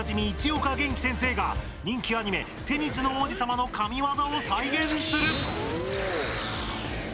市岡元気先生が人気アニメ「テニスの王子様」の神ワザを再現する！